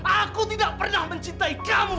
aku tidak pernah mencintai kamu